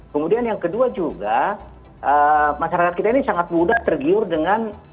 kemudian yang kedua juga masyarakat kita ini sangat mudah tergiur dengan